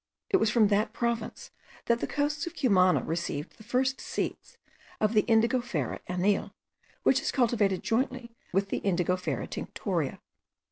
It was from that province that the coasts of Cumana received the first seeds of the Indigofera anil,* which is cultivated jointly with the Indigofera tinctoria.